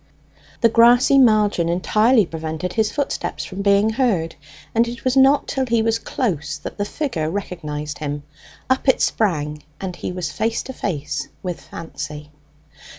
The grassy margin entirely prevented his footsteps from being heard, and it was not till he was close that the figure recognized him. Up it sprang, and he was face to face with Fancy.